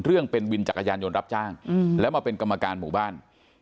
เรื่องเป็นวินจักรยานยนต์รับจ้างแล้วมาเป็นกรรมการหมู่บ้าน